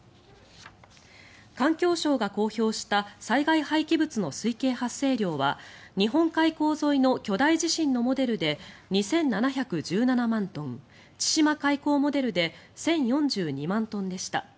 環境省が公表した災害廃棄物の推計発生量は日本海溝沿いの巨大地震のモデルで２７１７万トン千島海溝モデルで１０４２万トンでした。